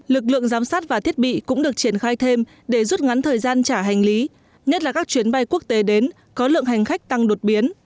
lực lượng giám sát và thiết bị cũng được triển khai thêm để rút ngắn thời gian trả hành lý nhất là các chuyến bay quốc tế đến có lượng hành khách tăng đột biến